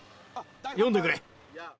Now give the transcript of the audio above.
読んでくれ。